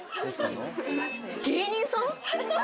芸人さん？